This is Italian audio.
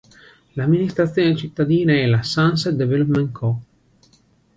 L'amministrazione cittadina e la "Sunset Development Co.